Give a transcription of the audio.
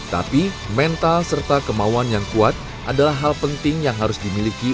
tapi mental serta kemauan yang kuat adalah hal penting yang harus dimiliki